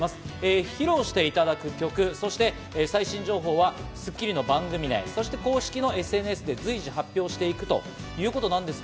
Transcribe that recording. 披露していただく曲、そして最新情報は『スッキリ』の番組で、公式のＳＮＳで随時発表していくということです。